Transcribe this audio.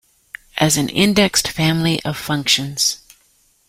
as an indexed family of functions.